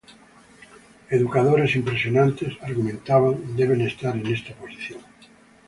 Educadores impresionantes, argumentaban, deben estar en esta posición.